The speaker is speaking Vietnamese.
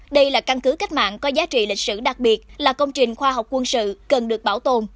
đây là căn cứ cách mạng có giá trị lịch sử đặc biệt là công trình khoa học quân sự cần được bảo tồn